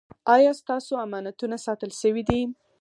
ایا ستاسو امانتونه ساتل شوي دي؟